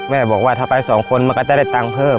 บอกว่าถ้าไปสองคนมันก็จะได้ตังค์เพิ่ม